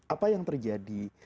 apa yang terjadi